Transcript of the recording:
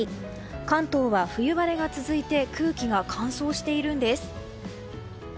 関東は冬晴れが続いて空気が乾燥しているんです。